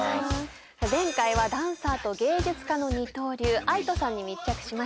前回はダンサーと芸術家の二刀流ＡＩＴＯさんに密着しました。